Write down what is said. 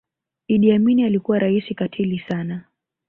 idi amin alikuwa raisi katili sana